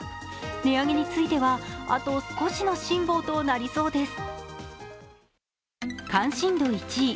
値上げについては、あと少しの辛坊となりそうです。